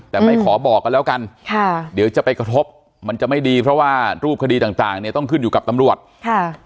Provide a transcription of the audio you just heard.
แต่ไม่ขอบอกกันแล้วกันค่ะเดี๋ยวจะไปกระทบมันจะไม่ดีเพราะว่ารูปคดีต่างต่างเนี่ยต้องขึ้นอยู่กับตำรวจค่ะ